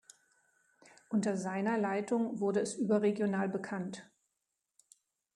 Unter seiner Leitung wurde es überregional bekannt.